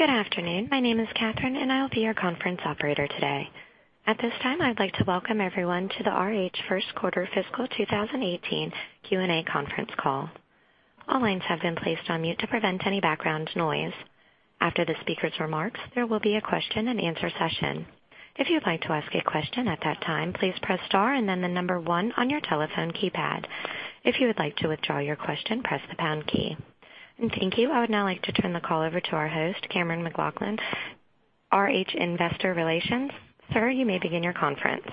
Good afternoon. My name is Catherine, and I'll be your conference operator today. At this time, I'd like to welcome everyone to the RH first quarter fiscal 2018 Q&A conference call. All lines have been placed on mute to prevent any background noise. After the speakers' remarks, there will be a question and answer session. If you'd like to ask a question at that time, please press star and then the number one on your telephone keypad. If you would like to withdraw your question, press the pound key. Thank you. I would now like to turn the call over to our host, Cammeron McLaughlin, RH Investor Relations. Sir, you may begin your conference.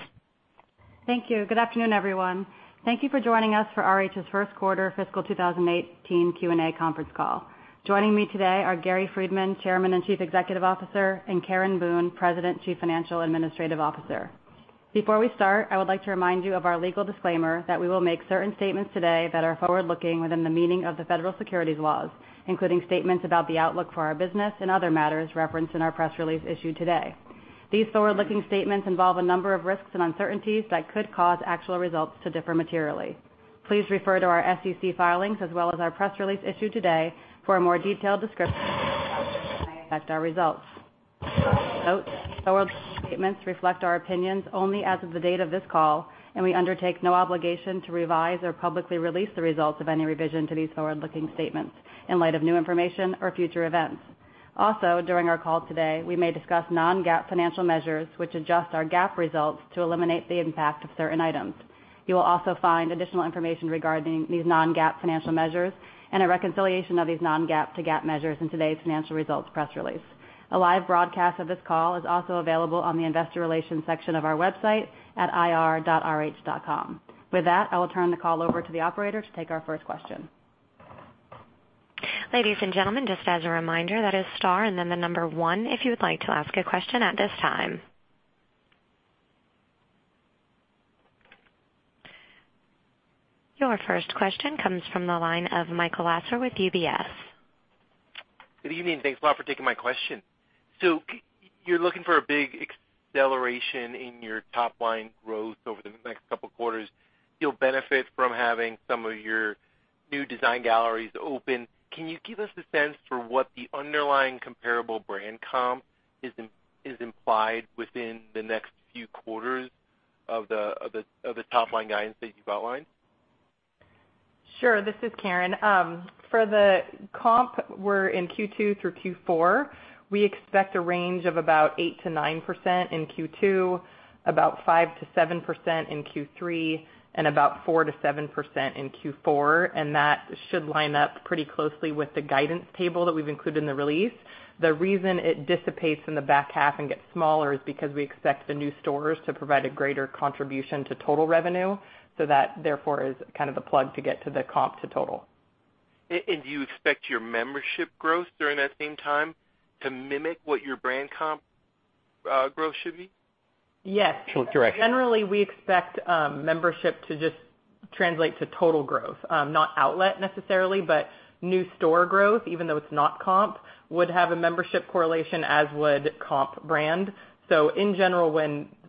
Thank you. Good afternoon, everyone. Thank you for joining us for RH's first quarter fiscal 2018 Q&A conference call. Joining me today are Gary Friedman, Chairman and Chief Executive Officer, and Karen Boone, President, Chief Financial and Administrative Officer. Before we start, I would like to remind you of our legal disclaimer that we will make certain statements today that are forward-looking within the meaning of the federal securities laws, including statements about the outlook for our business and other matters referenced in our press release issued today. These forward-looking statements involve a number of risks and uncertainties that could cause actual results to differ materially. Please refer to our SEC filings as well as our press release issued today for a more detailed description that may affect our results. Note, forward-looking statements reflect our opinions only as of the date of this call. We undertake no obligation to revise or publicly release the results of any revision to these forward-looking statements in light of new information or future events. Also, during our call today, we may discuss non-GAAP financial measures, which adjust our GAAP results to eliminate the impact of certain items. You will also find additional information regarding these non-GAAP financial measures and a reconciliation of these non-GAAP to GAAP measures in today's financial results press release. A live broadcast of this call is also available on the investor relations section of our website at ir.rh.com. With that, I will turn the call over to the operator to take our first question. Ladies and gentlemen, just as a reminder, that is star and then the number one if you would like to ask a question at this time. Your first question comes from the line of Michael Lasser with UBS. Good evening. Thanks a lot for taking my question. You're looking for a big acceleration in your top-line growth over the next couple of quarters. You'll benefit from having some of your new design galleries open. Can you give us a sense for what the underlying comparable brand comp is implied within the next few quarters of the top-line guidance that you've outlined? Sure. This is Karen. For the comp, we're in Q2 through Q4. We expect a range of about 8%-9% in Q2, about 5%-7% in Q3, and about 4%-7% in Q4, that should line up pretty closely with the guidance table that we've included in the release. The reason it dissipates in the back half and gets smaller is because we expect the new stores to provide a greater contribution to total revenue, that, therefore, is kind of the plug to get to the comp to total. Do you expect your membership growth during that same time to mimic what your brand comp growth should be? Yes. Correct. Generally, we expect membership to just translate to total growth. Not outlet necessarily, but new store growth, even though it's not comp, would have a membership correlation as would comp brand. In general,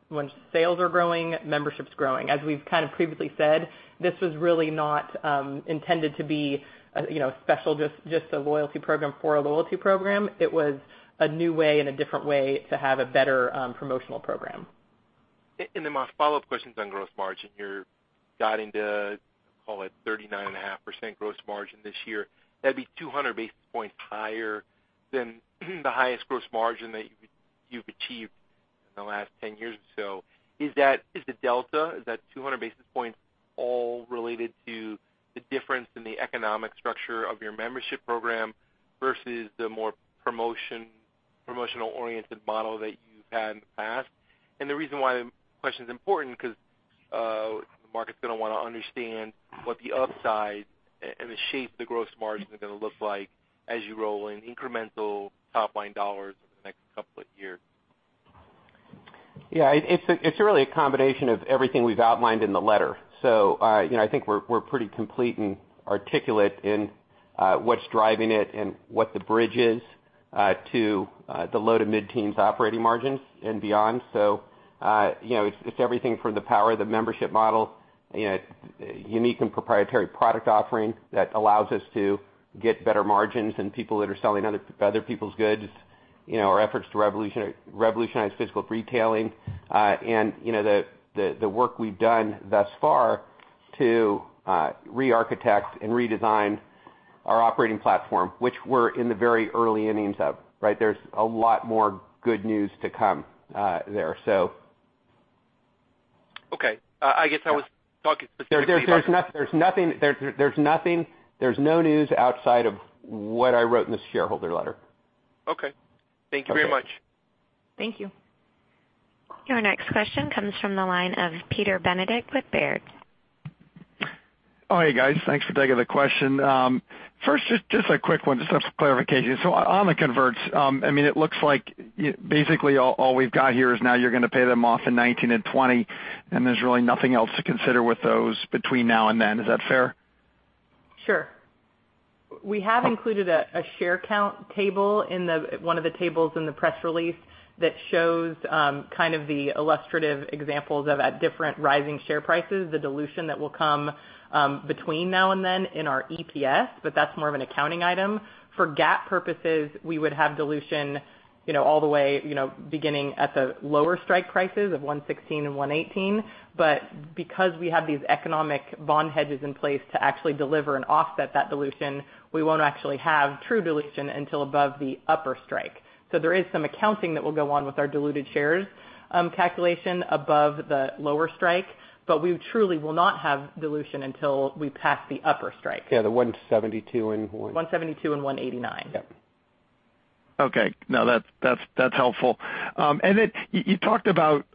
when sales are growing, membership's growing. As we've kind of previously said, this was really not intended to be special, just a loyalty program for a loyalty program. It was a new way and a different way to have a better promotional program. my follow-up question's on gross margin. You're guiding to, call it, 39.5% gross margin this year. That'd be 200 basis points higher than the highest gross margin that you've achieved in the last 10 years or so. Is the delta, is that 200 basis points all related to the difference in the economic structure of your membership program versus the more promotional-oriented model that you've had in the past? The reason why the question's important, because the market's going to want to understand what the upside and the shape of the gross margin are going to look like as you roll in incremental top-line dollars over the next couple of years. It's really a combination of everything we've outlined in the letter. I think we're pretty complete and articulate in what's driving it and what the bridge is to the low to mid-teens operating margins and beyond. It's everything from the power of the membership model, unique and proprietary product offering that allows us to get better margins than people that are selling other people's goods, our efforts to revolutionize physical retailing, and the work we've done thus far to re-architect and redesign our operating platform, which we're in the very early innings of, right? There's a lot more good news to come there. Okay. I guess I was talking specifically. There's no news outside of what I wrote in the shareholder letter. Okay. Thank you very much. Okay. Thank you. Your next question comes from the line of Peter Benedict with Baird. Oh, hey, guys. Thanks for taking the question. First, just a quick one, just have some clarification. On the converts, it looks like basically all we've got here is now you're gonna pay them off in 2019 and 2020, and there's really nothing else to consider with those between now and then. Is that fair? Sure. We have included a share count table in one of the tables in the press release that shows the illustrative examples of at different rising share prices, the dilution that will come between now and then in our EPS, that's more of an accounting item. For GAAP purposes, we would have dilution all the way beginning at the lower strike prices of 116 and 118. Because we have these economic bond hedges in place to actually deliver and offset that dilution, we won't actually have true dilution until above the upper strike. There is some accounting that will go on with our diluted shares calculation above the lower strike, but we truly will not have dilution until we pass the upper strike. Yeah, the 172 and what? 172 and 189. Yep. Okay. No, that's helpful. Then you talked about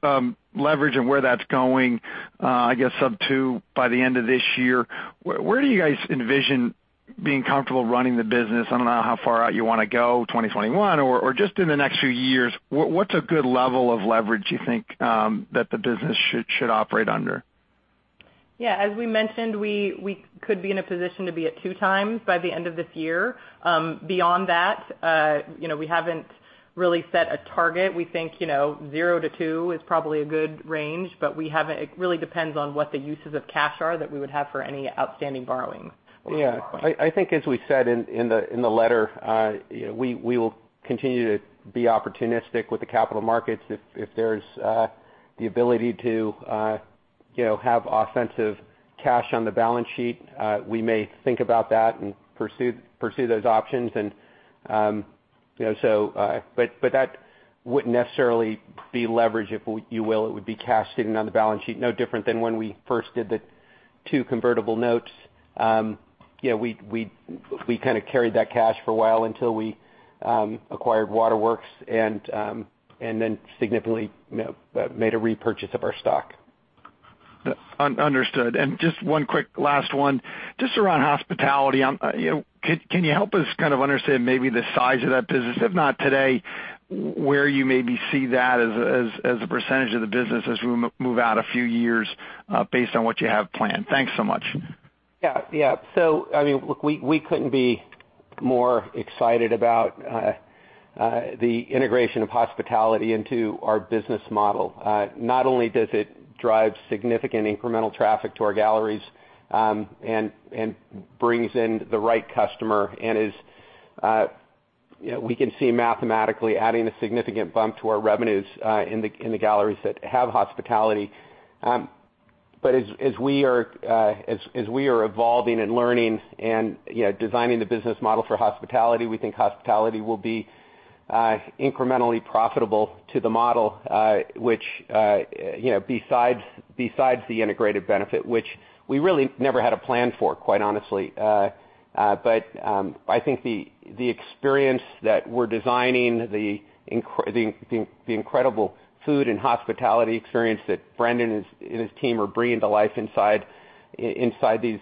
leverage and where that's going, I guess sub 2 by the end of this year. Where do you guys envision being comfortable running the business? I don't know how far out you want to go, 2021 or just in the next few years. What's a good level of leverage you think that the business should operate under? Yeah, as we mentioned, we could be in a position to be at 2x by the end of this year. Beyond that, we haven't really set a target. We think zero to two is probably a good range, but it really depends on what the uses of cash are that we would have for any outstanding borrowings at this point. Yeah. I think as we said in the letter, we will continue to be opportunistic with the capital markets if there's the ability to have offensive cash on the balance sheet. We may think about that and pursue those options, but that wouldn't necessarily be leverage, if you will. It would be cash sitting on the balance sheet, no different than when we first did the two convertible notes. We kind of carried that cash for a while until we acquired Waterworks and then significantly made a repurchase of our stock. Understood. Just one quick last one, just around hospitality. Can you help us kind of understand maybe the size of that business? If not today, where you maybe see that as a percentage of the business as we move out a few years based on what you have planned? Thanks so much. Yeah. Look, we couldn't be more excited about the integration of hospitality into our business model. Not only does it drive significant incremental traffic to our galleries and brings in the right customer and is, we can see mathematically adding a significant bump to our revenues in the galleries that have hospitality. As we are evolving and learning and designing the business model for hospitality, we think hospitality will be incrementally profitable to the model, which besides the integrated benefit, which we really never had a plan for, quite honestly. I think the experience that we're designing, the incredible food and hospitality experience that Brendan and his team are bringing to life inside these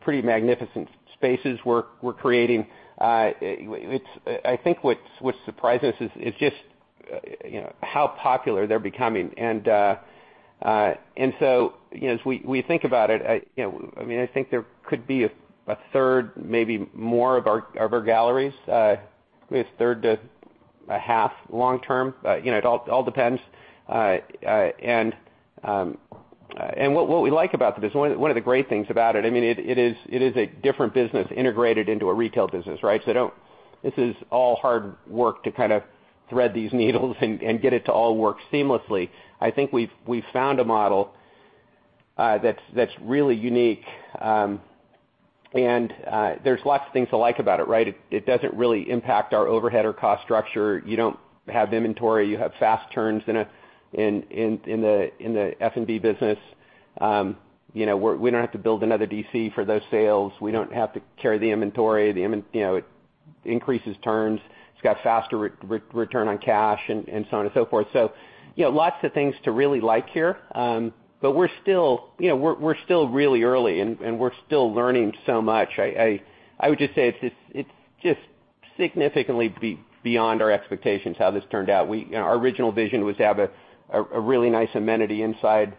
pretty magnificent spaces we're creating. I think what surprised us is just how popular they're becoming. As we think about it, I think there could be a third, maybe more of our galleries, maybe a third to a half long term. It all depends. What we like about the business, one of the great things about it is a different business integrated into a retail business, right? This is all hard work to kind of thread these needles and get it to all work seamlessly. I think we've found a model that's really unique. There's lots of things to like about it, right? It doesn't really impact our overhead or cost structure. You don't have inventory. You have fast turns in the F&B business. We don't have to build another DC for those sales. We don't have to carry the inventory. It increases turns. It's got faster return on cash and so on and so forth. Lots of things to really like here. We're still really early, and we're still learning so much. I would just say it's just significantly beyond our expectations how this turned out. Our original vision was to have a really nice amenity inside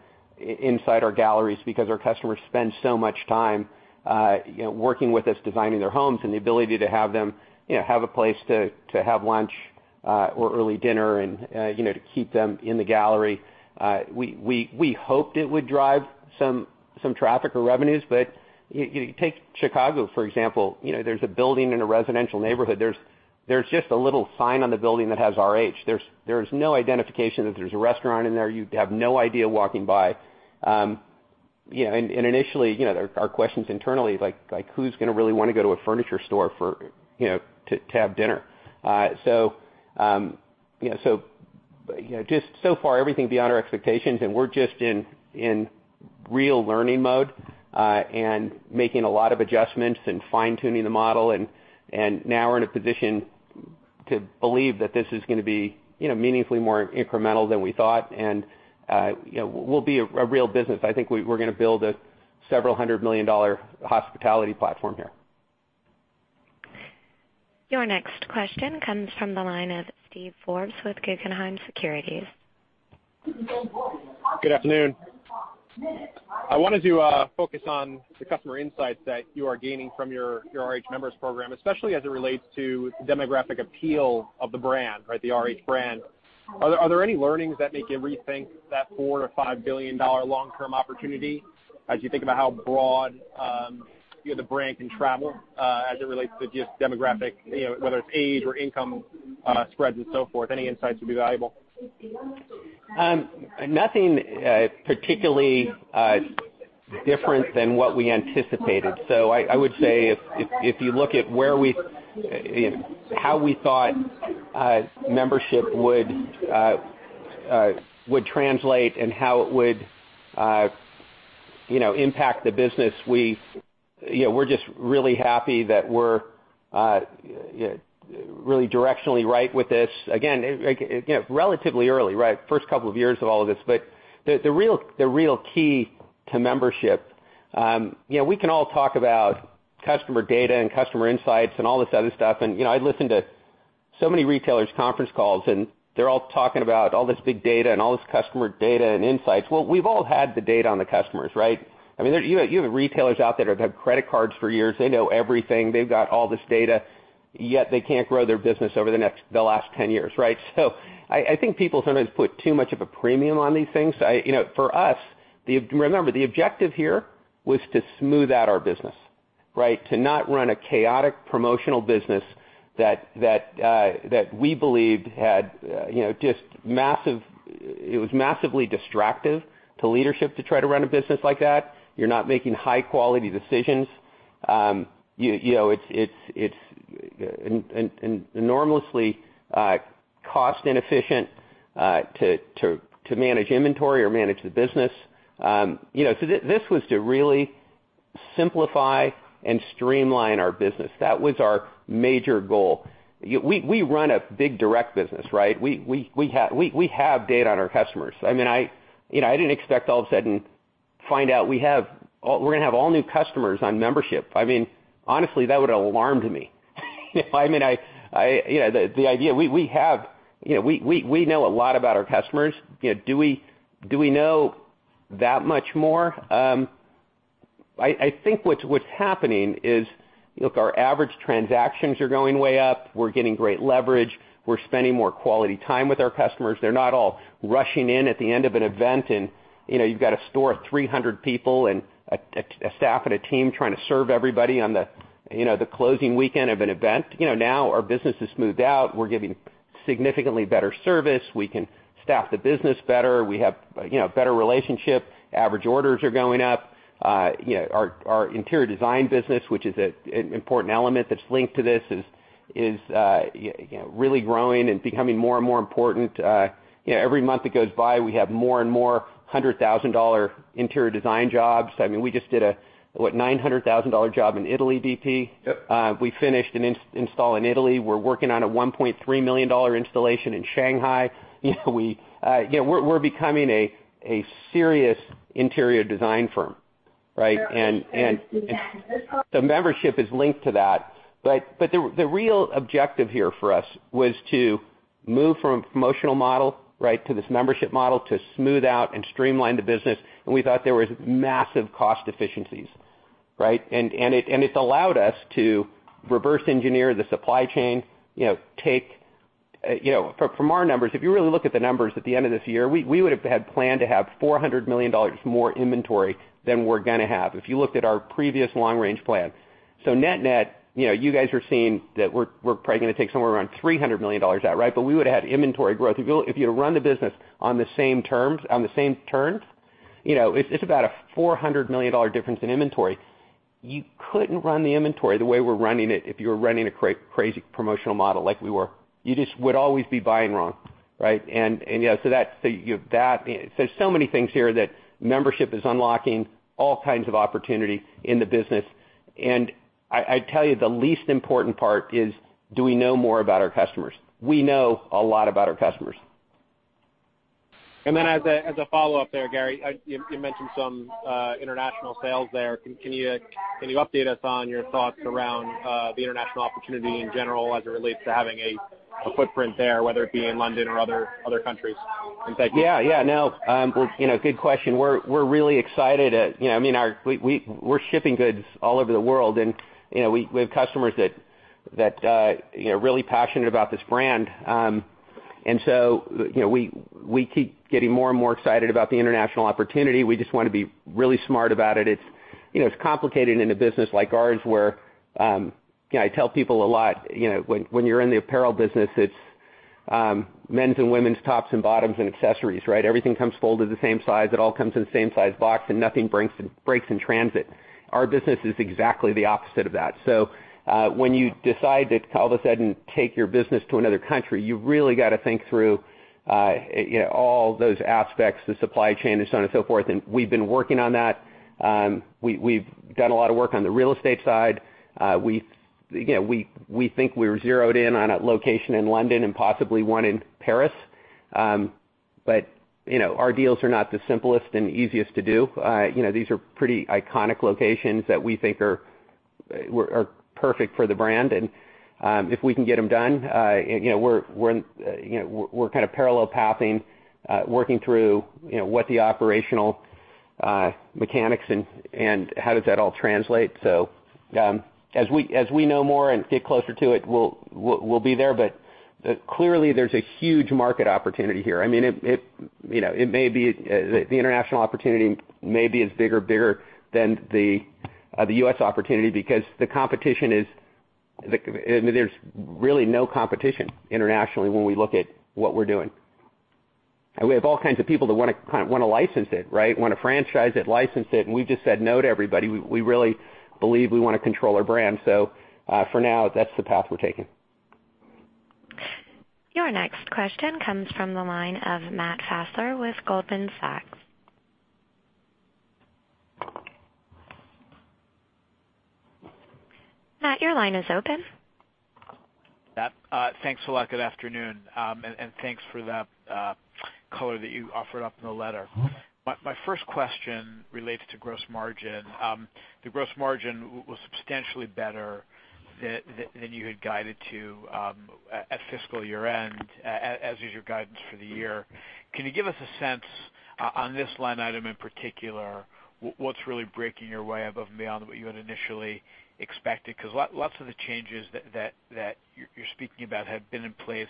our galleries because our customers spend so much time working with us, designing their homes, and the ability to have them have a place to have lunch or early dinner and to keep them in the gallery. We hoped it would drive some traffic or revenues. Take Chicago, for example. There's a building in a residential neighborhood. There's just a little sign on the building that has RH. There's no identification that there's a restaurant in there. You have no idea walking by. Initially, our questions internally, like who's going to really want to go to a furniture store to have dinner? Far everything beyond our expectations, and we're just in real learning mode and making a lot of adjustments and fine-tuning the model, and now we're in a position to believe that this is going to be meaningfully more incremental than we thought, and will be a real business. I think we're going to build a several hundred million-dollar hospitality platform here. Your next question comes from the line of Steve Forbes with Guggenheim Securities. Good afternoon. I wanted to focus on the customer insights that you are gaining from your RH Members program, especially as it relates to demographic appeal of the brand, the RH brand. Are there any learnings that make you rethink that $4 billion or $5 billion long-term opportunity as you think about how broad the brand can travel as it relates to just demographic, whether it's age or income spreads and so forth? Any insights would be valuable. I would say if you look at how we thought membership would translate and how it would impact the business, we're just really happy that we're really directionally right with this. Again, relatively early, right? First couple of years of all of this, but the real key to membership. We can all talk about customer data and customer insights and all this other stuff. I listen to so many retailers' conference calls, and they're all talking about all this big data and all this customer data and insights. We've all had the data on the customers, right? You have retailers out there that have had credit cards for years. They know everything. They've got all this data, yet they can't grow their business over the last 10 years, right? I think people sometimes put too much of a premium on these things. For us, remember, the objective here was to smooth out our business. To not run a chaotic promotional business that we believed had. It was massively distractive to leadership to try to run a business like that. You're not making high-quality decisions. It's enormously cost inefficient to manage inventory or manage the business. This was to really simplify and streamline our business. That was our major goal. We run a big direct business, right? We have data on our customers. I didn't expect all of a sudden find out we're going to have all new customers on membership. Honestly, that would alarm me. The idea, we know a lot about our customers. Do we know that much more? I think what's happening is, look, our average transactions are going way up. We're getting great leverage. We're spending more quality time with our customers. They're not all rushing in at the end of an event, and you've got a store of 300 people and a staff and a team trying to serve everybody on the closing weekend of an event. Now our business is smoothed out. We're giving significantly better service. We can staff the business better. We have better relationship. Average orders are going up. Our Interior Design business, which is an important element that's linked to this, is really growing and becoming more and more important. Every month that goes by, we have more and more $100,000 Interior Design jobs. We just did a, what, $900,000 job in Italy, DP? Yep. We finished an install in Italy. We're working on a $1.3 million installation in Shanghai. We're becoming a serious interior design firm, right? The membership is linked to that. The real objective here for us was to move from a promotional model to this membership model to smooth out and streamline the business, and we thought there was massive cost efficiencies, right? It allowed us to reverse engineer the supply chain. From our numbers, if you really look at the numbers at the end of this year, we would have had planned to have $400 million more inventory than we're going to have, if you looked at our previous long-range plan. Net-net, you guys are seeing that we're probably going to take somewhere around $300 million out, right? We would have had inventory growth. If you had run the business on the same terms, it's about a $400 million difference in inventory. You couldn't run the inventory the way we're running it, if you were running a crazy promotional model like we were. You just would always be buying wrong, right? There's so many things here that membership is unlocking all kinds of opportunity in the business. I tell you, the least important part is, do we know more about our customers? We know a lot about our customers. As a follow-up there, Gary, you mentioned some international sales there. Can you update us on your thoughts around the international opportunity in general as it relates to having a footprint there, whether it be in London or other countries in Yeah. Good question. We're really excited. We're shipping goods all over the world, and we have customers that are really passionate about this brand. We keep getting more and more excited about the international opportunity. We just want to be really smart about it. It's complicated in a business like ours where I tell people a lot, when you're in the apparel business, it's men's and women's tops and bottoms and accessories, right? Everything comes folded the same size. It all comes in the same size box, and nothing breaks in transit. Our business is exactly the opposite of that. When you decide to all of a sudden take your business to another country, you've really got to think through all those aspects, the supply chain and so on and so forth, and we've been working on that. We've done a lot of work on the real estate side. We think we're zeroed in on a location in London and possibly one in Paris. Our deals are not the simplest and easiest to do. These are pretty iconic locations that we think are perfect for the brand, and if we can get them done, we're parallel pathing, working through what the operational mechanics are and how that all translates. As we know more and get closer to it, we'll be there. Clearly, there's a huge market opportunity here. The international opportunity maybe is bigger than the U.S. opportunity because there's really no competition internationally when we look at what we're doing. And we have all kinds of people that want to license it, right? Want to franchise it, license it, and we've just said no to everybody. We really believe we want to control our brand. For now, that's the path we're taking. Your next question comes from the line of Matthew Fassler with Goldman Sachs. Matt, your line is open. Thanks a lot. Good afternoon. Thanks for that color that you offered up in the letter. My first question relates to gross margin. The gross margin was substantially better than you had guided to at fiscal year-end, as is your guidance for the year. Can you give us a sense, on this line item in particular, what's really breaking your way above and beyond what you had initially expected? Lots of the changes that you're speaking about have been in place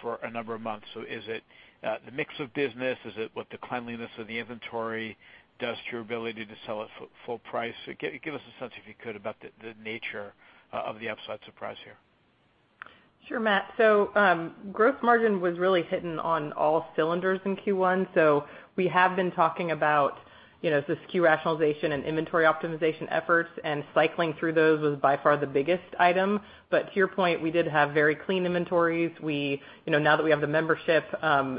for a number of months. Is it the mix of business? Is it with the cleanliness of the inventory? Just your ability to sell at full price? Give us a sense, if you could, about the nature of the upside surprise here. Sure, Matt. Gross margin was really hitting on all cylinders in Q1. We have been talking about the SKU rationalization and inventory optimization efforts, and cycling through those was by far the biggest item. To your point, we did have very clean inventories. Now that we have the membership,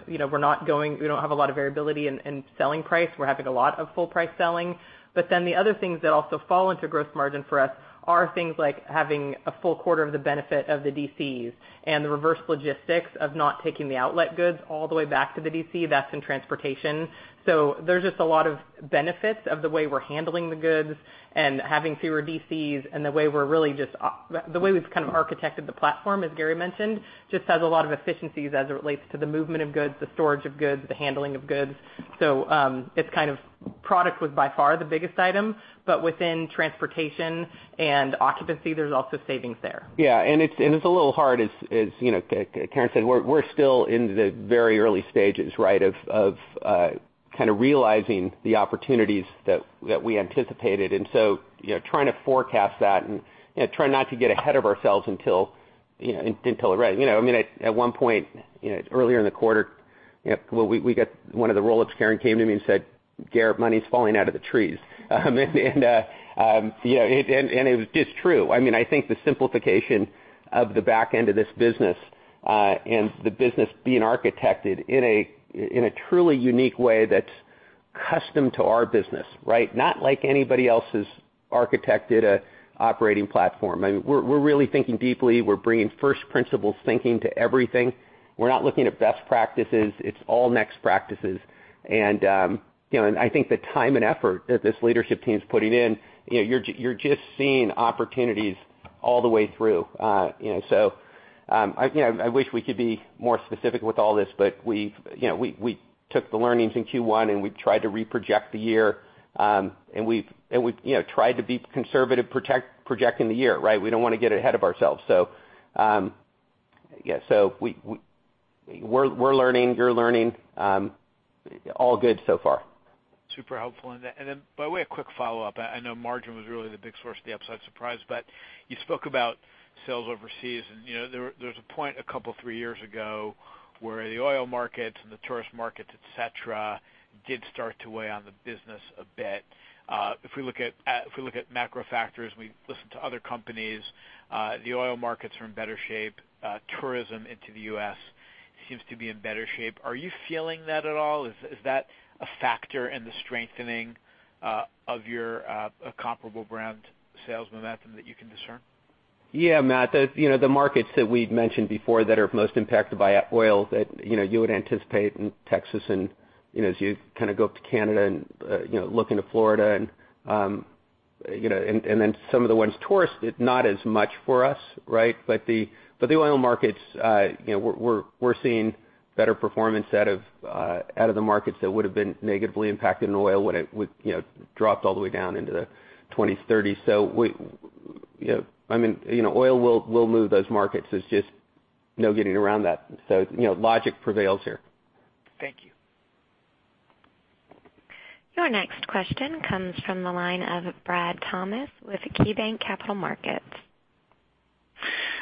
we don't have a lot of variability in selling price. We're having a lot of full price selling. The other things that also fall into gross margin for us are things like having a full quarter of the benefit of the DCs and the reverse logistics of not taking the outlet goods all the way back to the DC. That's in transportation. There's just a lot of benefits of the way we're handling the goods and having fewer DCs and the way we've kind of architected the platform, as Gary mentioned. It just has a lot of efficiencies as it relates to the movement of goods, the storage of goods, the handling of goods. Product was by far the biggest item, within transportation and occupancy, there's also savings there. It's a little hard. As Karen said, we're still in the very early stages, right, of kind of realizing the opportunities that we anticipated. Trying to forecast that and trying not to get ahead of ourselves until it rains. At one point earlier in the quarter, one of the roll-ups, Karen came to me and said, "Gary, money's falling out of the trees." It was just true. I think the simplification of the back end of this business and the business being architected in a truly unique way that's custom to our business, right? Not like anybody else has architected an operating platform. We're really thinking deeply. We're bringing first principles thinking to everything. We're not looking at best practices. It's all next practices. I think the time and effort that this leadership team is putting in, you're just seeing opportunities all the way through. I wish we could be more specific with all this, but we took the learnings in Q1, we tried to re-project the year. We tried to be conservative projecting the year, right? We don't want to get ahead of ourselves. We're learning, you're learning. All good so far. Super helpful. Then, by the way, a quick follow-up. I know margin was really the big source of the upside surprise, but you spoke about sales overseas. There was a point a couple, three years ago where the oil markets and the tourist markets, et cetera, did start to weigh on the business a bit. If we look at macro factors, we listen to other companies, the oil markets are in better shape. Tourism into the U.S. seems to be in better shape. Are you feeling that at all? Is that a factor in the strengthening of your comparable brand sales momentum that you can discern? Matt. The markets that we've mentioned before that are most impacted by oil, that you would anticipate in Texas as you kind of go up to Canada and look into Florida then some of the ones tourist, not as much for us, right? The oil markets, we're seeing better performance out of the markets that would have been negatively impacted in oil when it dropped all the way down into the 20s, 30s. Oil will move those markets. There's just no getting around that. Logic prevails here. Thank you. Your next question comes from the line of Bradley Thomas with KeyBanc Capital Markets.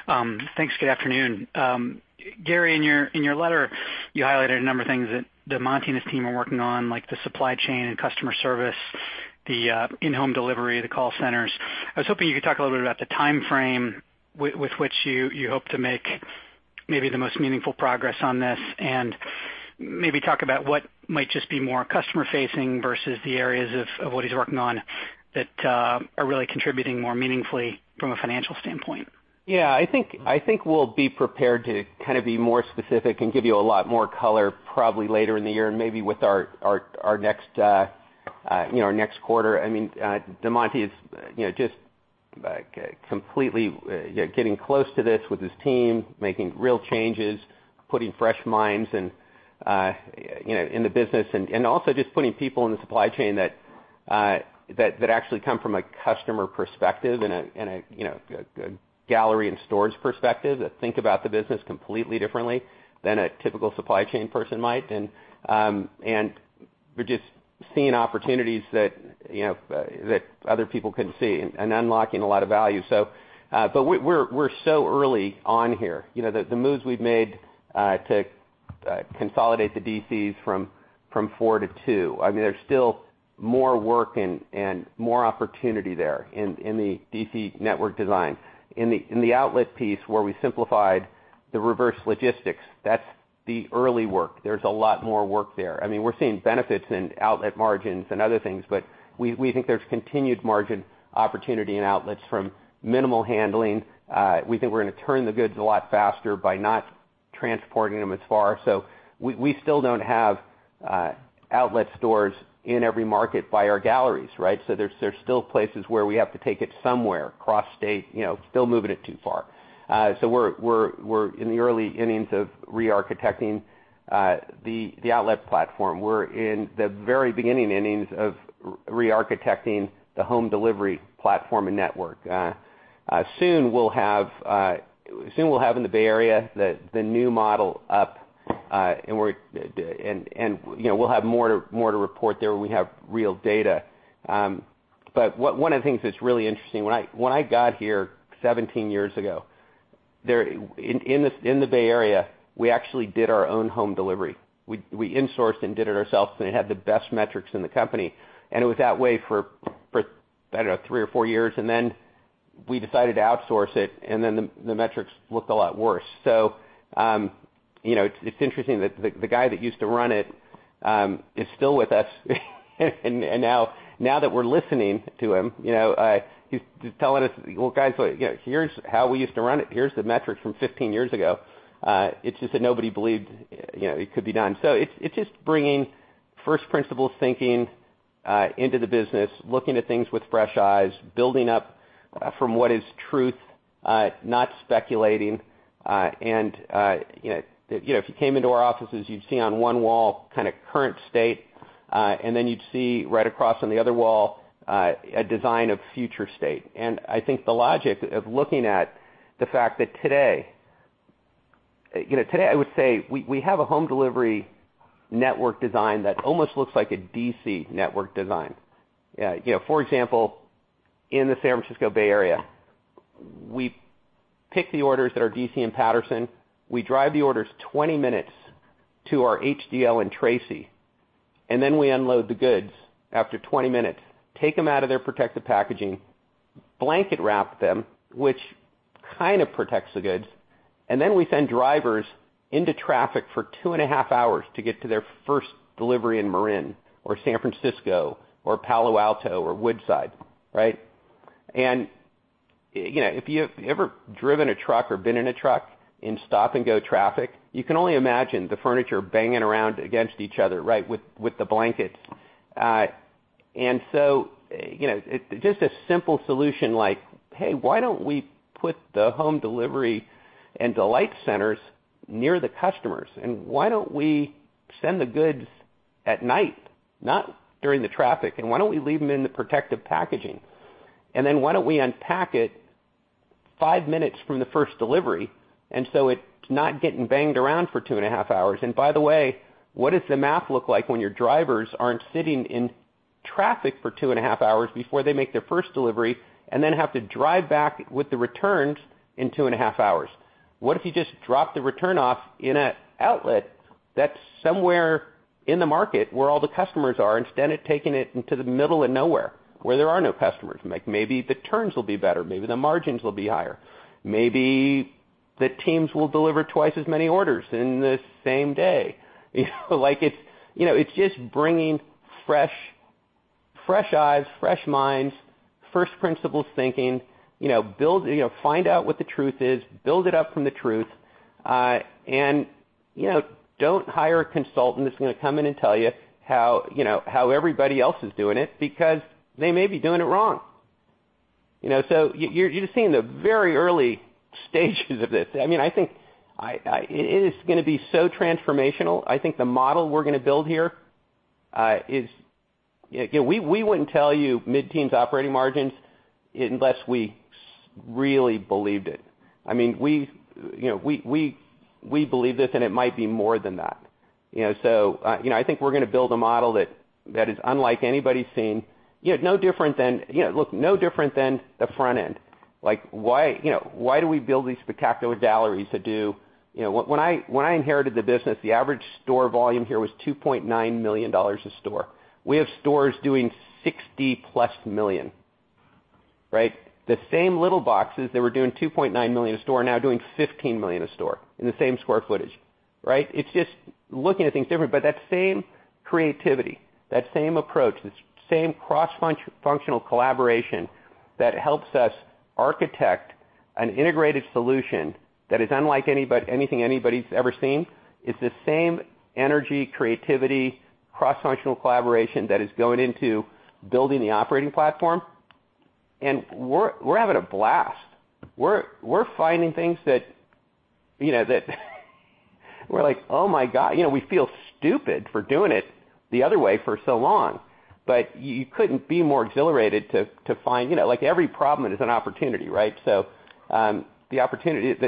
Thanks. Good afternoon. Gary, in your letter, you highlighted a number of things that Monty and his team are working on, like the supply chain and customer service, the in-home delivery, the call centers. I was hoping you could talk a little bit about the timeframe with which you hope to make maybe the most meaningful progress on this, and maybe talk about what might just be more customer facing versus the areas of what he's working on that are really contributing more meaningfully from a financial standpoint. Yeah, I think we'll be prepared to be more specific and give you a lot more color, probably later in the year and maybe with our next quarter. DeMonty is just completely getting close to this with his team, making real changes, putting fresh minds in the business, also just putting people in the supply chain that actually come from a customer perspective and a gallery and storage perspective that think about the business completely differently than a typical supply chain person might. We're just seeing opportunities that other people couldn't see and unlocking a lot of value. We're so early on here. The moves we've made to consolidate the DCs from four to two. There's still more work and more opportunity there in the DC network design. In the outlet piece where we simplified the reverse logistics, that's the early work. There's a lot more work there. We're seeing benefits in outlet margins and other things, but we think there's continued margin opportunity and outlets from minimal handling. We think we're going to turn the goods a lot faster by not transporting them as far. We still don't have outlet stores in every market by our galleries, right? There's still places where we have to take it somewhere across state, still moving it too far. We're in the early innings of re-architecting the outlet platform. We're in the very beginning innings of re-architecting the home delivery platform and network. Soon we'll have in the Bay Area, the new model up, and we'll have more to report there when we have real data. One of the things that's really interesting, when I got here 17 years ago, in the Bay Area, we actually did our own home delivery. We insourced and did it ourselves, it had the best metrics in the company. It was that way for, I don't know, three or four years, we decided to outsource it, the metrics looked a lot worse. It's interesting that the guy that used to run it is still with us and now that we're listening to him, he's telling us, "Well, guys, here's how we used to run it. Here's the metrics from 15 years ago." It's just that nobody believed it could be done. It's just bringing first principles thinking into the business, looking at things with fresh eyes, building up from what is truth, not speculating. If you came into our offices, you'd see on one wall kind of current state, you'd see right across on the other wall, a design of future state. I think the logic of looking at the fact that today, I would say we have a home delivery network design that almost looks like a DC network design. For example, in the San Francisco Bay Area, we pick the orders that are DC and Patterson. We drive the orders 20 minutes to our HDL in Tracy, we unload the goods after 20 minutes, take them out of their protective packaging, blanket wrap them, which kind of protects the goods, we send drivers into traffic for two and a half hours to get to their first delivery in Marin or San Francisco or Palo Alto or Woodside. Right? If you've ever driven a truck or been in a truck in stop-and-go traffic, you can only imagine the furniture banging around against each other, right with the blankets. Just a simple solution like, hey, why don't we put the home delivery and delight centers near the customers, why don't we send the goods at night, not during the traffic? Why don't we leave them in the protective packaging? Why don't we unpack it five minutes from the first delivery and so it's not getting banged around for two and a half hours. By the way, what does the math look like when your drivers aren't sitting in traffic for two and a half hours before they make their first delivery and have to drive back with the returns in two and a half hours? What if you just drop the return off in an outlet that's somewhere in the market where all the customers are, instead of taking it into the middle of nowhere where there are no customers? Maybe the turns will be better. Maybe the margins will be higher. Maybe the teams will deliver twice as many orders in the same day. It's just bringing fresh eyes, fresh minds, first principles thinking. Find out what the truth is, build it up from the truth, don't hire a consultant that's going to come in and tell you how everybody else is doing it because they may be doing it wrong. You're just seeing the very early stages of this. I think it is going to be so transformational. I think the model we're going to build here is-- We wouldn't tell you mid-teens operating margins unless we really believed it. We believe this, it might be more than that. I think we're going to build a model that is unlike anybody's seen. Look, no different than the front end. When I inherited the business, the average store volume here was $2.9 million a store. We have stores doing 60-plus million. Right? The same little boxes that were doing $2.9 million a store are now doing $15 million a store in the same square footage. It's just looking at things different. That same creativity, that same approach, the same cross-functional collaboration that helps us architect an integrated solution that is unlike anything anybody's ever seen, it's the same energy, creativity, cross-functional collaboration that is going into building the operating platform. We're having a blast. We're finding things that we're like, "Oh, my God." We feel stupid for doing it the other way for so long. You couldn't be more exhilarated to find like every problem is an opportunity, right? The opportunities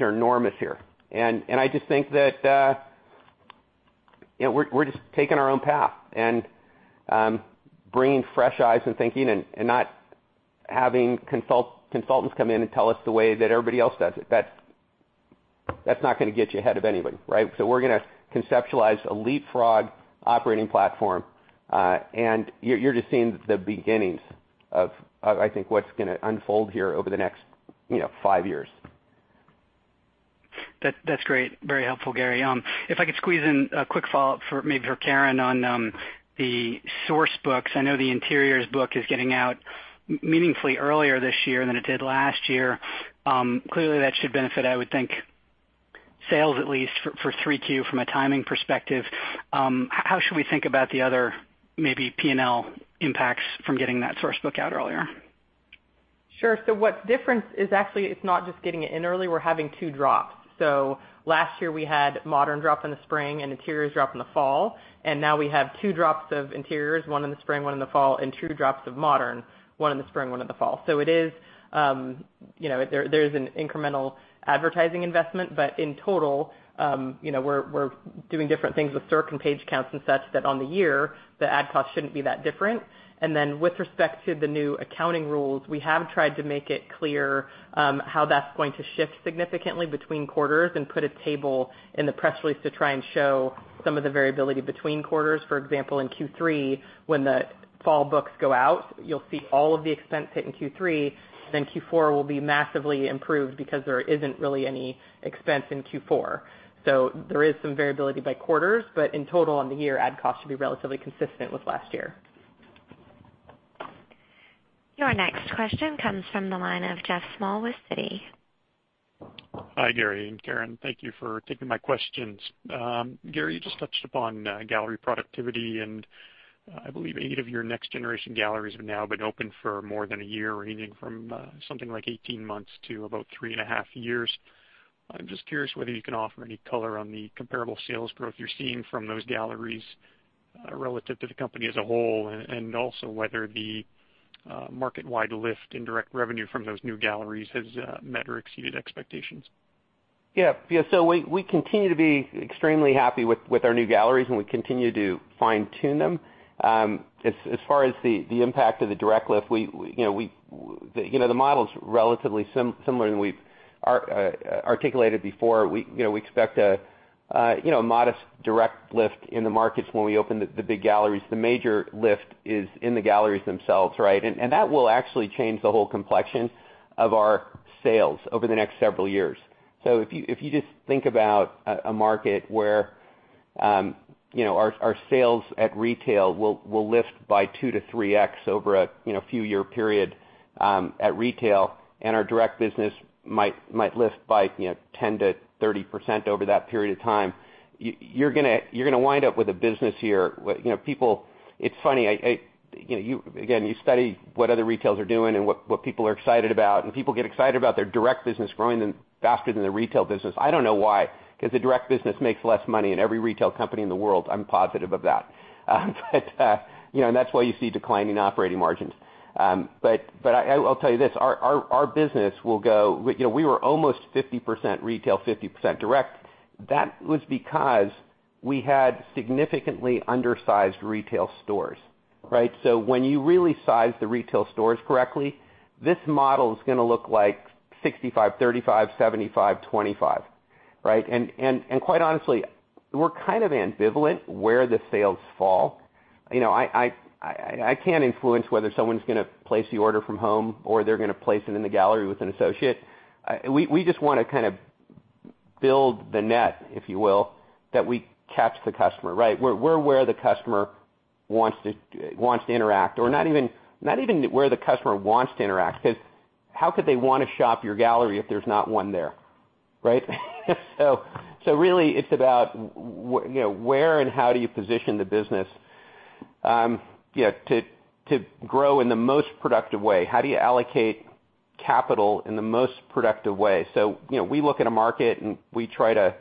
are enormous here. I just think that we're just taking our own path and bringing fresh eyes and thinking and not having consultants come in and tell us the way that everybody else does it. That's not going to get you ahead of anybody, right? We're going to conceptualize a leapfrog operating platform. You're just seeing the beginnings of, I think, what's going to unfold here over the next five years. That's great. Very helpful, Gary. If I could squeeze in a quick follow-up maybe for Karen on the source books. I know the interiors book is getting out meaningfully earlier this year than it did last year. Clearly, that should benefit, I would think, sales at least for 3Q from a timing perspective. How should we think about the other maybe P&L impacts from getting that source book out earlier? Sure. What's different is actually it's not just getting it in early, we're having two drops. Last year, we had modern drop in the spring and interiors drop in the fall. Now we have two drops of interiors, one in the spring, one in the fall, and two drops of modern, one in the spring, one in the fall. There's an incremental advertising investment, in total, we're doing different things with circ and page counts and such that on the year, the ad cost shouldn't be that different. Then with respect to the new accounting rules, we have tried to make it clear how that's going to shift significantly between quarters and put a table in the press release to try and show some of the variability between quarters. For example, in Q3, when the fall books go out, you'll see all of the expense hit in Q3. Then Q4 will be massively improved because there isn't really any expense in Q4. There is some variability by quarters, but in total, on the year, ad cost should be relatively consistent with last year. Your next question comes from the line of Geoff Small with Citi. Hi, Gary and Karen. Thank you for taking my questions. Gary, you just touched upon gallery productivity, and I believe eight of your next generation galleries have now been open for more than a year, ranging from something like 18 months to about three and a half years. I'm just curious whether you can offer any color on the comparable sales growth you're seeing from those galleries relative to the company as a whole, and also whether the market-wide lift in direct revenue from those new galleries has met or exceeded expectations. Yeah. We continue to be extremely happy with our new galleries, and we continue to fine-tune them. As far as the impact of the direct lift, the model's relatively similar than we've articulated before. We expect a modest direct lift in the markets when we open the big galleries. The major lift is in the galleries themselves, right? That will actually change the whole complexion of our sales over the next several years. If you just think about a market where our sales at retail will lift by 2 to 3x over a few year period at retail, and our direct business might lift by 10% to 30% over that period of time, you're going to wind up with a business here. It's funny. You study what other retailers are doing and what people are excited about, people get excited about their direct business growing faster than their retail business. I don't know why, because the direct business makes less money in every retail company in the world. I'm positive of that. That's why you see declining operating margins. I'll tell you this. We were almost 50% retail, 50% direct. That was because we had significantly undersized retail stores, right? When you really size the retail stores correctly, this model is going to look like 65/35, 75/25, right? Quite honestly, we're kind of ambivalent where the sales fall. I can't influence whether someone's going to place the order from home or they're going to place it in the gallery with an associate. We just want to build the net, if you will, that we catch the customer, right? We're where the customer wants to interact, or not even where the customer wants to interact, because how could they want to shop your gallery if there's not one there, right? Really it's about where and how do you position the business to grow in the most productive way. How do you allocate capital in the most productive way? We look at a market, we try to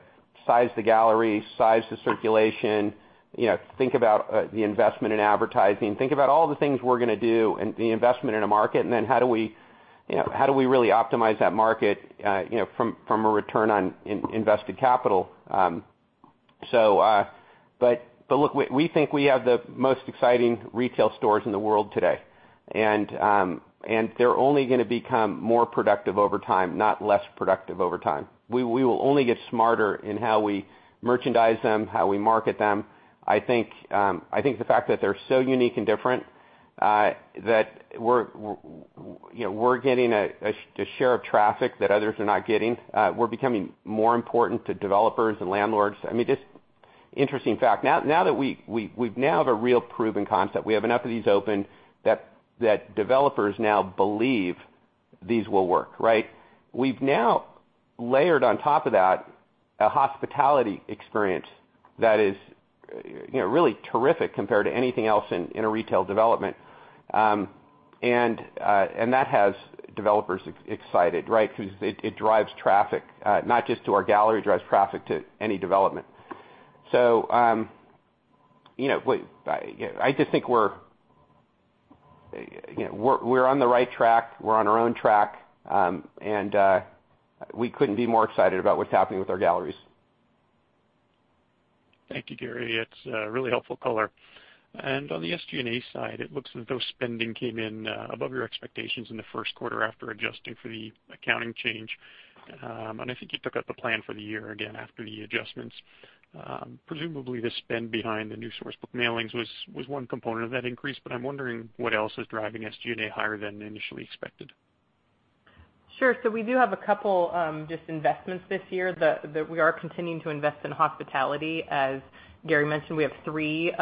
size the gallery, size the circulation, think about the investment in advertising, think about all the things we're going to do and the investment in a market, and then how do we really optimize that market from a return on invested capital? Look, we think we have the most exciting retail stores in the world today, they're only going to become more productive over time, not less productive over time. We will only get smarter in how we merchandise them, how we market them. I think the fact that they're so unique and different that we're getting a share of traffic that others are not getting. We're becoming more important to developers and landlords. Just interesting fact. We now have a real proven concept. We have enough of these open that developers now believe these will work. We've now layered on top of that a hospitality experience that is really terrific compared to anything else in a retail development. That has developers excited because it drives traffic, not just to our gallery, it drives traffic to any development. I just think we're on the right track. We're on our own track. We couldn't be more excited about what's happening with our galleries. Thank you, Gary. It's a really helpful color. On the SG&A side, it looks as though spending came in above your expectations in the first quarter after adjusting for the accounting change. I think you took up the plan for the year again after the adjustments. Presumably, the spend behind the new source book mailings was one component of that increase, but I'm wondering what else is driving SG&A higher than initially expected. Sure. We do have a couple of just investments this year that we are continuing to invest in hospitality. As Gary mentioned, we have three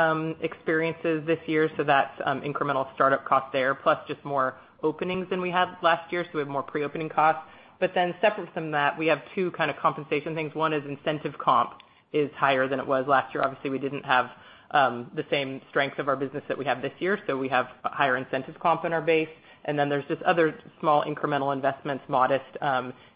experiences this year, so that's incremental startup cost there, plus just more openings than we had last year, so we have more pre-opening costs. Separate from that, we have two kind of compensation things. One is incentive comp is higher than it was last year. Obviously, we didn't have the same strength of our business that we have this year, so we have higher incentive comp in our base. There's just other small incremental investments, modest,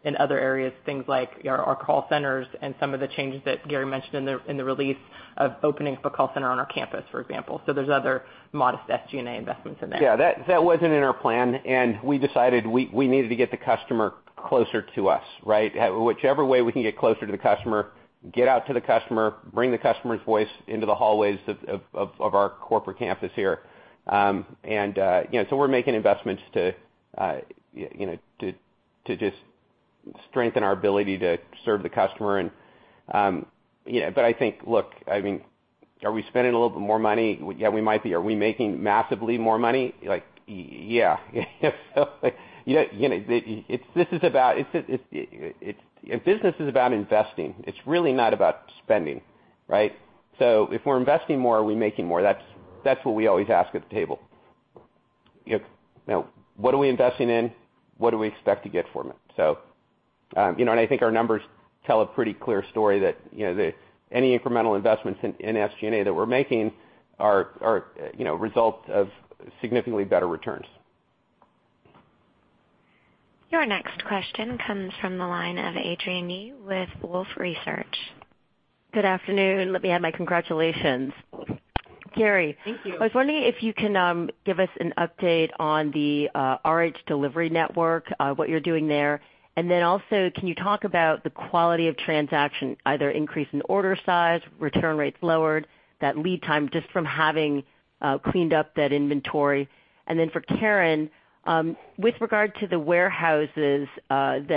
in other areas, things like our call centers and some of the changes that Gary mentioned in the release of opening up a call center on our campus, for example. There's other modest SG&A investments in there. Yeah, that wasn't in our plan. We decided we needed to get the customer closer to us. Whichever way we can get closer to the customer, get out to the customer, bring the customer's voice into the hallways of our corporate campus here. We're making investments to just strengthen our ability to serve the customer. I think, look, are we spending a little bit more money? Yeah, we might be. Are we making massively more money? Yeah. Business is about investing. It's really not about spending. If we're investing more, are we making more? That's what we always ask at the table. What are we investing in? What do we expect to get from it? I think our numbers tell a pretty clear story that any incremental investments in SG&A that we're making are results of significantly better returns. Your next question comes from the line of Adrienne Yih with Wolfe Research. Good afternoon. Let me add my congratulations. Thank you. Gary, I was wondering if you can give us an update on the RH delivery network, what you're doing there. Also, can you talk about the quality of transaction, either increase in order size, return rates lowered, that lead time just from having cleaned up that inventory? For Karen, with regard to the warehouses, with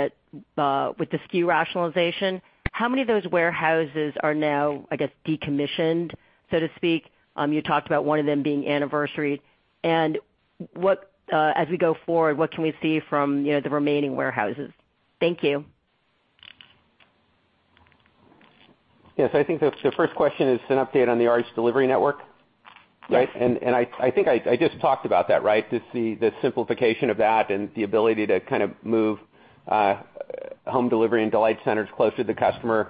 the SKU rationalization, how many of those warehouses are now, I guess, decommissioned, so to speak? You talked about one of them being anniversary. As we go forward, what can we see from the remaining warehouses? Thank you. Yes, I think the first question is an update on the RH delivery network, right? Yes. I think I just talked about that. The simplification of that and the ability to kind of move home delivery and delight centers closer to the customer.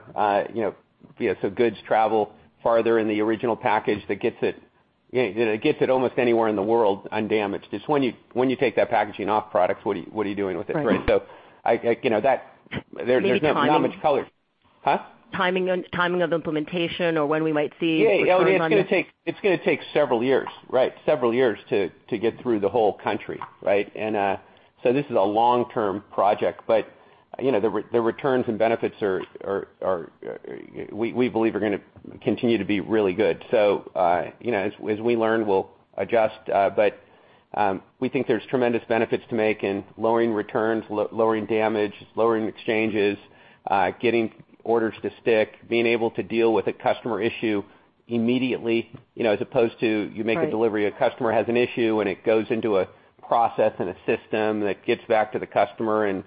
Goods travel farther in the original package that gets it almost anywhere in the world undamaged. It's when you take that packaging off products, what are you doing with it? There's not much color. Maybe timing. Huh? Timing of implementation or when we might see- Yeah. It's going to take several years. Several years to get through the whole country. This is a long-term project, but the returns and benefits we believe are going to continue to be really good. As we learn, we'll adjust, but, we think there's tremendous benefits to make in lowering returns, lowering damage, lowering exchanges, getting orders to stick, being able to deal with a customer issue immediately as opposed to you make a delivery, a customer has an issue and it goes into a process and a system that gets back to the customer and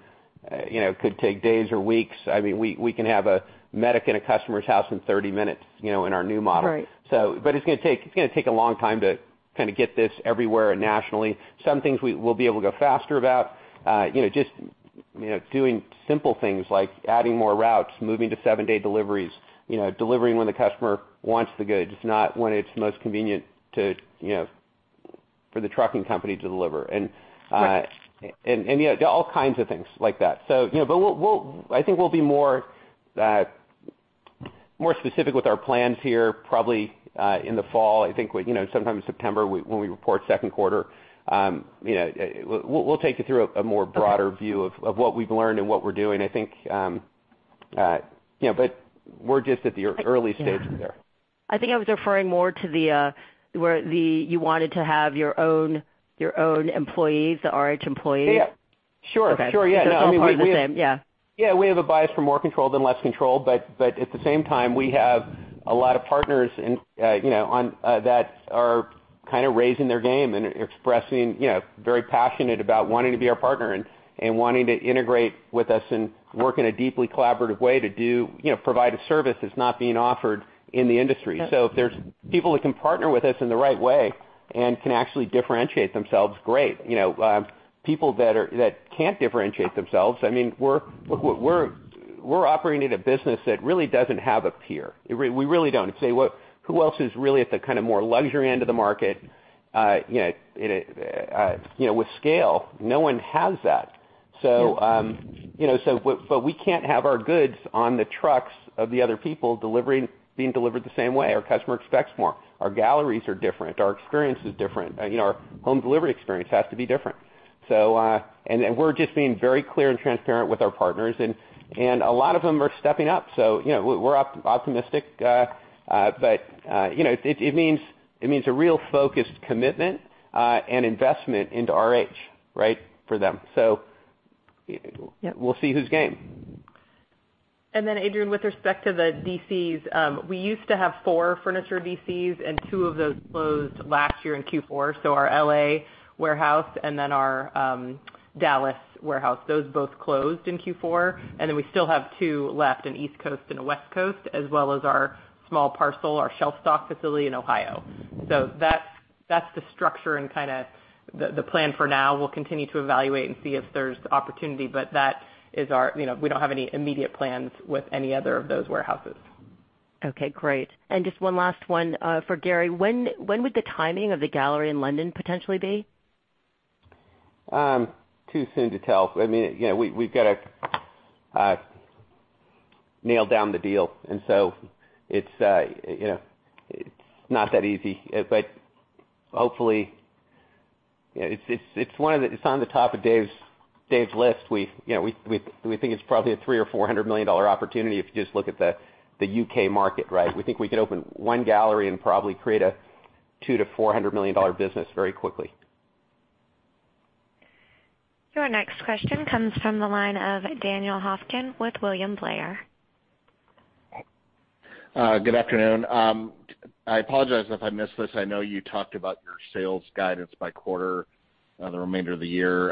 could take days or weeks. We can have a medic in a customer's house in 30 minutes in our new model. Right. It's going to take a long time to get this everywhere and nationally. Some things we'll be able to go faster about, just doing simple things like adding more routes, moving to seven-day deliveries, delivering when the customer wants the goods, not when it's most convenient for the trucking company to deliver. All kinds of things like that. I think we'll be more specific with our plans here probably in the fall. I think sometime in September when we report second quarter. We'll take you through a more broader view of what we've learned and what we're doing. We're just at the early stages there. I think I was referring more to where you wanted to have your own employees, the RH employees Sure. Yeah. Those aren't the same. Yeah. We have a bias for more control than less control, at the same time, we have a lot of partners that are raising their game and expressing, very passionate about wanting to be our partner and wanting to integrate with us and work in a deeply collaborative way to provide a service that's not being offered in the industry. If there's people who can partner with us in the right way and can actually differentiate themselves, great. People that can't differentiate themselves, we're operating in a business that really doesn't have a peer. We really don't. Who else is really at the more luxury end of the market with scale? No one has that. Yeah. We can't have our goods on the trucks of the other people being delivered the same way. Our customer expects more. Our galleries are different. Our experience is different. Our home delivery experience has to be different. We're just being very clear and transparent with our partners, and a lot of them are stepping up, we're optimistic. It means a real focused commitment, and investment into RH for them. Yeah We'll see who's game. Adrienne, with respect to the DCs, we used to have four furniture DCs, and two of those closed last year in Q4. Our L.A. warehouse and then our Dallas warehouse, those both closed in Q4. We still have two left, an East Coast and a West Coast, as well as our small parcel, our shelf stock facility in Ohio. That's the structure and the plan for now. We'll continue to evaluate and see if there's opportunity, we don't have any immediate plans with any other of those warehouses. Okay, great. Just one last one for Gary. When would the timing of the gallery in London potentially be? Too soon to tell. We've got to nail down the deal, and so it's not that easy. But hopefully, it's on the top of Dave's list. We think it's probably a $300 million or $400 million opportunity if you just look at the U.K. market, right? We think we could open one gallery and probably create a $200 million-$400 million business very quickly. Your next question comes from the line of Daniel Hofkin with William Blair. Good afternoon. I apologize if I missed this. I know you talked about your sales guidance by quarter, the remainder of the year.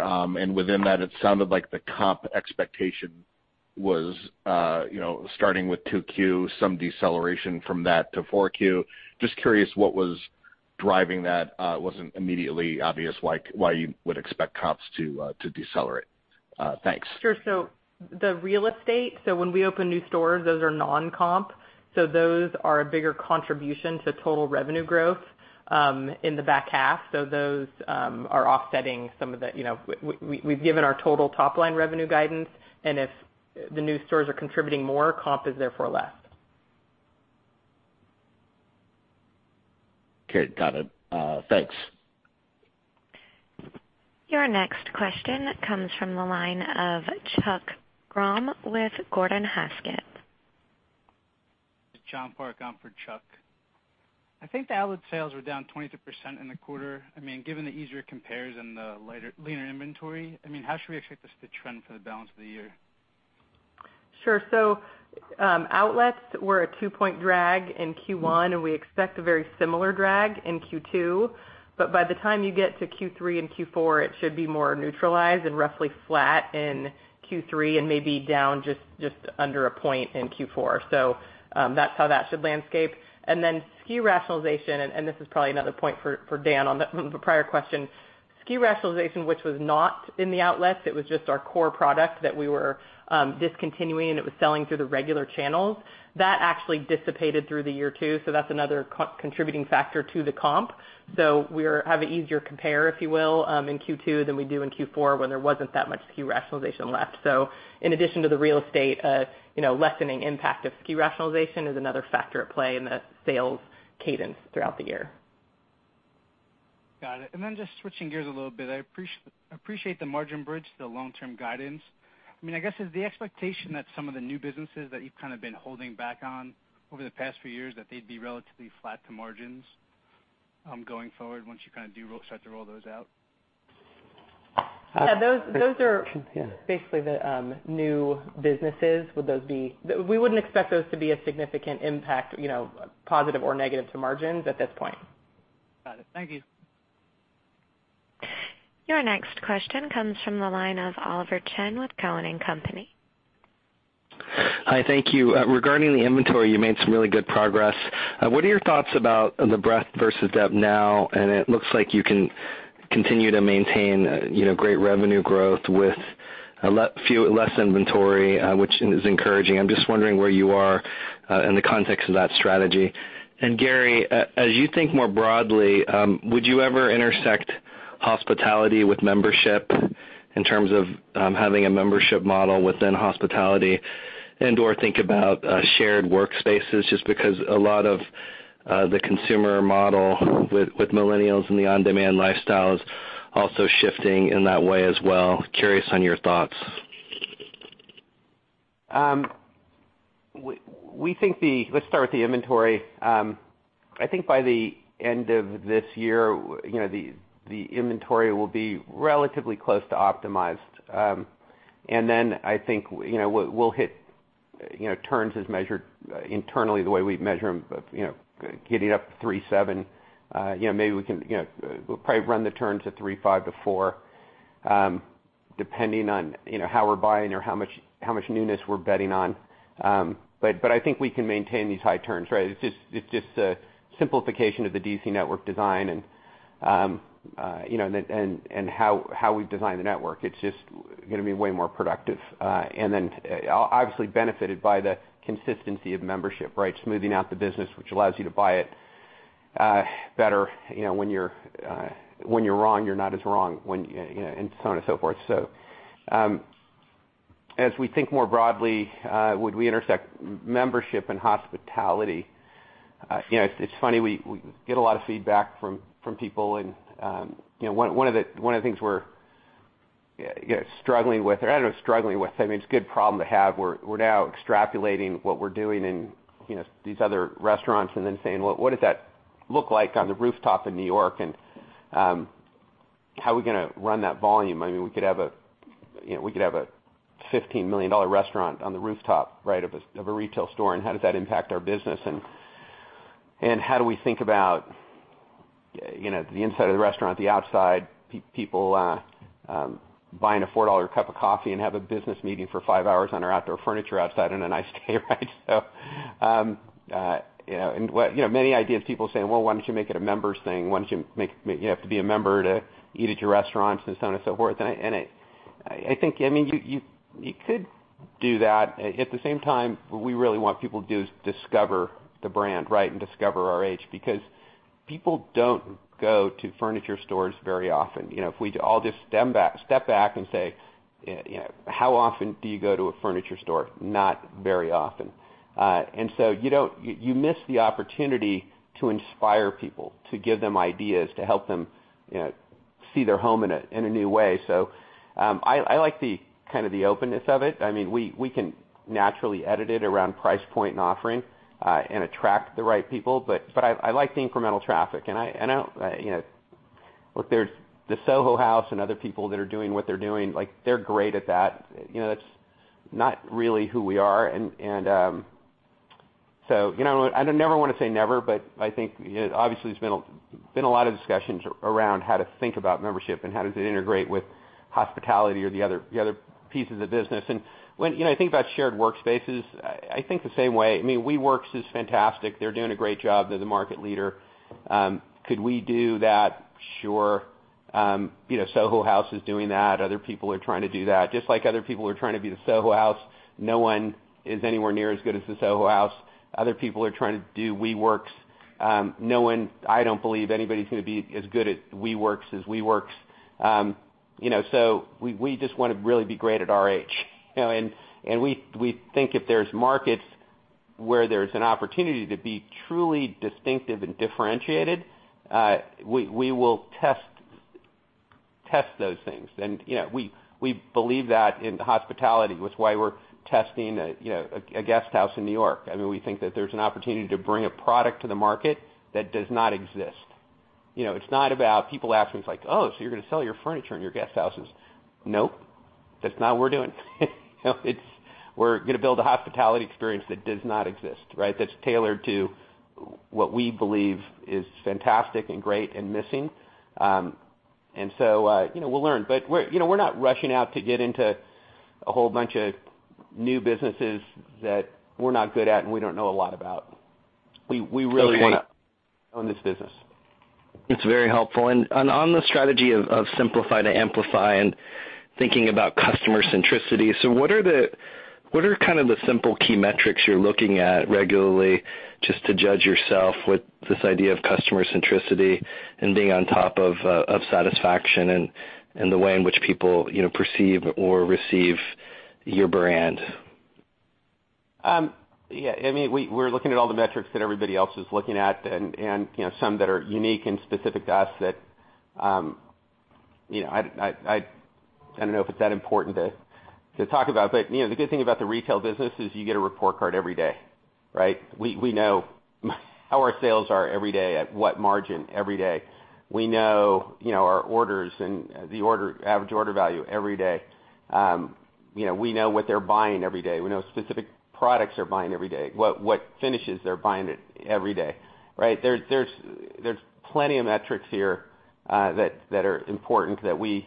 Within that, it sounded like the comp expectation was starting with two Q, some deceleration from that to four Q. Just curious what was driving that. It wasn't immediately obvious why you would expect comps to decelerate. Thanks. Sure. The real estate, so when we open new stores, those are non-comp. Those are a bigger contribution to total revenue growth in the back half. Those are offsetting some of the We've given our total top-line revenue guidance, and if the new stores are contributing more, comp is therefore less. Okay. Got it. Thanks. Your next question comes from the line of Chuck Grom with Gordon Haskett. It's John Park on for Chuck. I think the outlet sales were down 22% in the quarter. Given the easier compares and the leaner inventory, how should we expect this to trend for the balance of the year? Sure. Outlets were a two-point drag in Q1, and we expect a very similar drag in Q2. By the time you get to Q3 and Q4, it should be more neutralized and roughly flat in Q3, and maybe down just under a point in Q4. That's how that should landscape. Then SKU rationalization, and this is probably another point for Dan on the prior question. SKU rationalization, which was not in the outlets, it was just our core product that we were discontinuing, and it was selling through the regular channels. That actually dissipated through the year, too, so that's another contributing factor to the comp. We have an easier compare, if you will, in Q2 than we do in Q4, when there wasn't that much SKU rationalization left. In addition to the real estate, lessening impact of SKU rationalization is another factor at play in the sales cadence throughout the year. Got it. Just switching gears a little bit, I appreciate the margin bridge, the long-term guidance. Is the expectation that some of the new businesses that you've been holding back on over the past few years, that they'd be relatively flat to margins going forward once you do start to roll those out? Yeah, those are basically the new businesses. We wouldn't expect those to be a significant impact, positive or negative to margins at this point. Got it. Thank you. Your next question comes from the line of Oliver Chen with Cowen and Company. Hi, thank you. Regarding the inventory, you made some really good progress. What are your thoughts about the breadth versus depth now? It looks like you can continue to maintain great revenue growth with less inventory, which is encouraging. I am just wondering where you are in the context of that strategy. Gary, as you think more broadly, would you ever intersect hospitality with membership in terms of having a membership model within hospitality and/or think about shared workspaces? Just because a lot of the consumer model with millennials and the on-demand lifestyle is also shifting in that way as well. Curious on your thoughts. Let's start with the inventory. I think by the end of this year, the inventory will be relatively close to optimized. Then I think, we will hit turns as measured internally the way we measure them, but getting up to 3.7. We will probably run the turns at 3.5 to 4.0, depending on how we are buying or how much newness we are betting on. I think we can maintain these high turns. It is just a simplification of the DC network design and how we design the network. It is just going to be way more productive. Obviously benefited by the consistency of membership. Smoothing out the business, which allows you to buy it better. When you are wrong, you are not as wrong when, and so on and so forth. As we think more broadly, would we intersect membership and hospitality? It is funny, we get a lot of feedback from people. One of the things we are struggling with or I don't know, struggling with, it is a good problem to have. We are now extrapolating what we are doing in these other restaurants. Then saying, "Well, what does that look like on the rooftop in New York?" How are we going to run that volume? We could have a $15 million restaurant on the rooftop of a retail store. How does that impact our business? How do we think about the inside of the restaurant, the outside, people buying a $4 cup of coffee and have a business meeting for five hours on our outdoor furniture outside on a nice day, right? Many ideas of people saying, "Well, why don't you make it a members thing? Why don't you make you have to be a member to eat at your restaurants?" So on and so forth. I think you could do that. At the same time, what we really want people to do is discover the brand and discover RH because people don't go to furniture stores very often. If we all just step back and say, "How often do you go to a furniture store?" Not very often. You miss the opportunity to inspire people, to give them ideas, to help them see their home in a new way. I like the openness of it. We can naturally edit it around price point and offering, and attract the right people. I like the incremental traffic, and look, there's the Soho House and other people that are doing what they're doing, they're great at that. That's not really who we are. I never want to say never, but I think, obviously there's been a lot of discussions around how to think about membership and how does it integrate with hospitality or the other pieces of the business. When I think about shared workspaces, I think the same way. WeWork is fantastic. They're doing a great job. They're the market leader. Could we do that? Sure. Soho House is doing that. Other people are trying to do that, just like other people are trying to be the Soho House. No one is anywhere near as good as the Soho House. Other people are trying to do WeWork. I don't believe anybody's going to be as good at WeWork as WeWork. We just want to really be great at RH. We think if there's markets where there's an opportunity to be truly distinctive and differentiated, we will test those things. We believe that in hospitality. That's why we're testing a guesthouse in New York. We think that there's an opportunity to bring a product to the market that does not exist. It's not about people asking us like, "Oh, so you're going to sell your furniture in your guesthouses?" Nope, that's not what we're doing. We're going to build a hospitality experience that does not exist. That's tailored to what we believe is fantastic and great and missing. We'll learn, but we're not rushing out to get into a whole bunch of new businesses that we're not good at and we don't know a lot about. We really want to own this business. That's very helpful. On the strategy of simplify to amplify and thinking about customer centricity, what are the simple key metrics you're looking at regularly just to judge yourself with this idea of customer centricity and being on top of satisfaction and the way in which people perceive or receive your brand? Yeah, we're looking at all the metrics that everybody else is looking at and some that are unique and specific to us that I don't know if it's that important to talk about. The good thing about the retail business is you get a report card every day. We know how our sales are every day, at what margin every day. We know our orders and the average order value every day. We know what they're buying every day. We know specific products they're buying every day, what finishes they're buying every day. There's plenty of metrics here that are important that we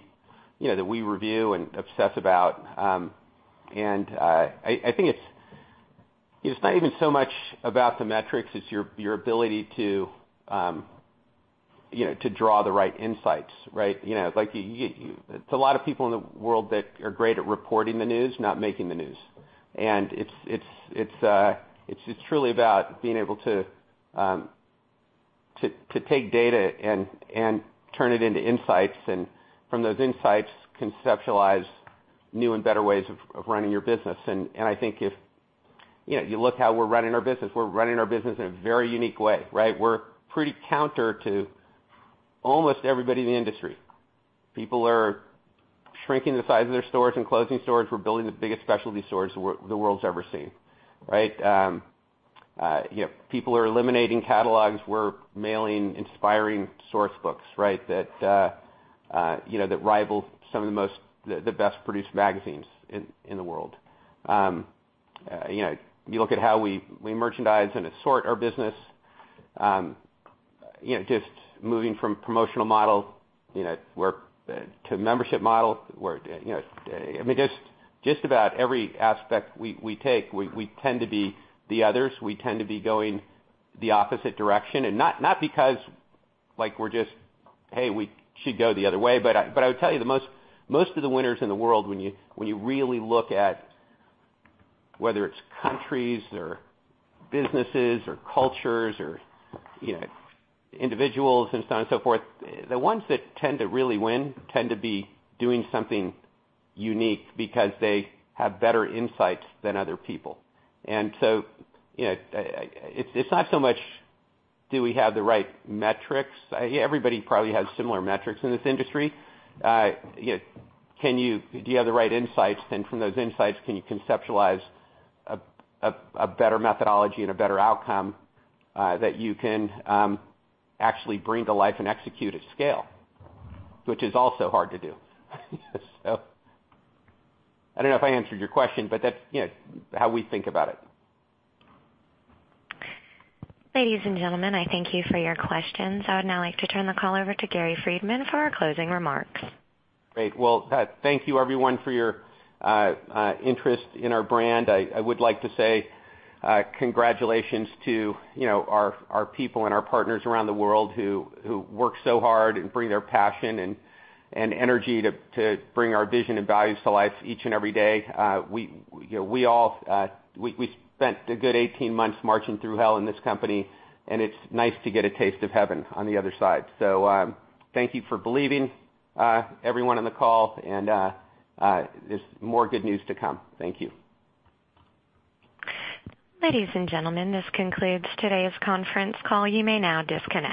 review and obsess about. I think it's not even so much about the metrics, it's your ability to draw the right insights. It's a lot of people in the world that are great at reporting the news, not making the news. It's truly about being able to take data and turn it into insights, and from those insights, conceptualize new and better ways of running your business. I think if you look how we're running our business. We're running our business in a very unique way, right? We're pretty counter to almost everybody in the industry. People are shrinking the size of their stores and closing stores. We're building the biggest specialty stores the world's ever seen, right? People are eliminating catalogs. We're mailing inspiring source books, that rival some of the best-produced magazines in the world. You look at how we merchandise and assort our business. Just moving from promotional model to membership model. Just about every aspect we take, we tend to be the others. We tend to be going the opposite direction, and not because we're just, "Hey, we should go the other way." I would tell you, the most of the winners in the world, when you really look at whether it's countries or businesses or cultures or individuals and so on and so forth, the ones that tend to really win tend to be doing something unique because they have better insights than other people. It's not so much do we have the right metrics? Everybody probably has similar metrics in this industry. Do you have the right insights, and from those insights, can you conceptualize a better methodology and a better outcome, that you can actually bring to life and execute at scale, which is also hard to do. I don't know if I answered your question, but that's how we think about it. Ladies and gentlemen, I thank you for your questions. I would now like to turn the call over to Gary Friedman for our closing remarks. Great. Well, thank you everyone for your interest in our brand. I would like to say congratulations to our people and our partners around the world who work so hard and bring their passion and energy to bring our vision and values to life each and every day. We spent a good 18 months marching through hell in this company. It's nice to get a taste of heaven on the other side. Thank you for believing, everyone on the call. There's more good news to come. Thank you. Ladies and gentlemen, this concludes today's conference call. You may now disconnect.